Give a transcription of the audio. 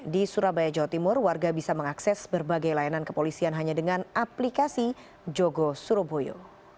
di surabaya jawa timur warga bisa mengakses berbagai layanan kepolisian hanya dengan aplikasi jogo suroboyo